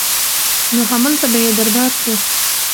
نو هملته به يې دربار کې